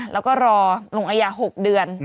แล้วก็รอลงอายา๖เดือน